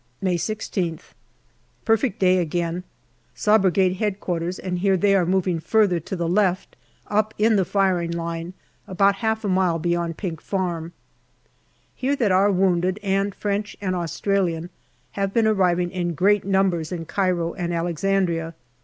May I6th. Perfect day again. Saw Brigade H.Q. and hear they are moving further to the left up in the firing line, about half a mile beyond Pink Farm. Hear that our wounded, and French and Australian, have been arriving in great numbers at Cairo and Alex andria.